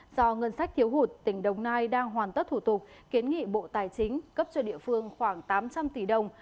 do ngân sách thiếu hụt tỉnh đồng nai đang hoàn tất thủ tục kiến nghị bộ tài chính cấp cho địa phương khoảng tám trăm linh tỷ đồng